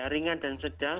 ringan dan sedang